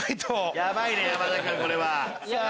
ヤバいね山田君これは。